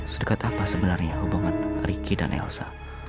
sedekat apa sebenarnya hubungan ricky dan elsa